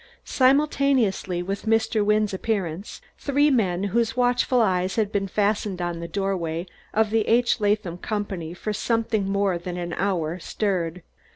Simultaneously with Mr. Wynne's appearance three men whose watchful eyes had been fastened on the doorway of the H. Latham Company for something more than an hour stirred.